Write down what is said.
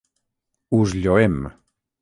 Us lloem.